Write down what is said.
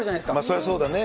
そりゃそうだね。